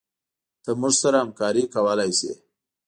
ته موږ سره همکارې کولي شي